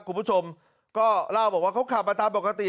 คุณผู้ชมก็เล่าบอกว่าเขาขับมาตามปกติ